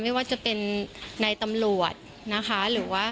ไม่ว่าจะเป็นนายตำรวจนะคะ